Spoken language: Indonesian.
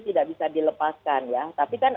tidak bisa dilepaskan ya tapi kan